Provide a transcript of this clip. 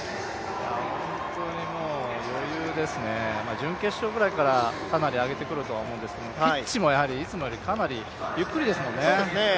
本当に余裕ですね、準決勝ぐらいからかなり上げてくるとは思うんですけどピッチもいつもよりかなりゆっくりですもんね。